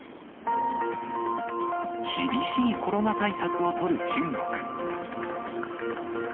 厳しいコロナ対策を取る中国。